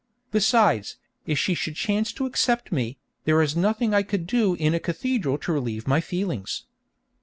Besides, if she should chance to accept me, there was nothing I could do in a cathedral to relieve my feelings.